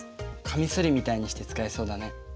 カミソリみたいにして使えそうだね。